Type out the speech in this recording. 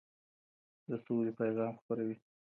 د سولې پيغام خپروي.